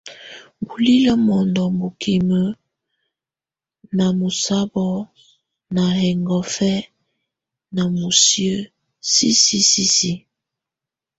Bulílə mɔndɔ mukimə ná mɔsábɔ ná hɛngɔfɛ́ ná musiə sisisisi.